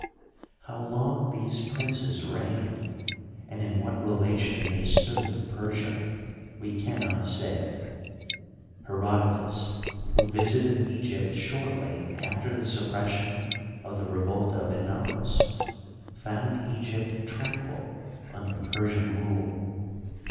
How long these princes reigned, and in what relation they stood to Persia, we can not say. Herodotus, who visited Egypt shortly after the suppression Digitized byCjOOQlC THE PERSIANS IN EGYPT. 145 of the revolt of Inaros, found Egypt tranquil under Per sian rule.